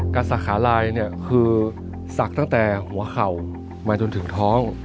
การสักขาลายคือสักตั้งแต่หัวเข่ามาจนถึงท้อง